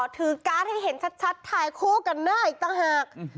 ถือการ์ดให้เห็นชัดถ่ายคู่กันหน้าอีกต่างหาก